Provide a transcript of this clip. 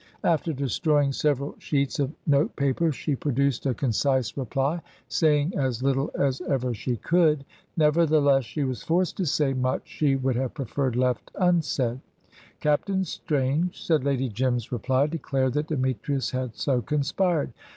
After destroying several sheets of note paper she produced a concise reply, saying as little as ever she could. Nevertheless, she was forced to say much she would have preferred left unsaid. Captain Strange, said Lady Jim's reply, declared that Demetrius had so conspired.